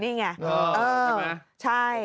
นี่ไงใช่ไหม